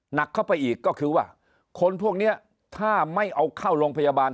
หนักเข้าไปอีกก็คือว่าคนพวกนี้ถ้าไม่เอาเข้าโรงพยาบาล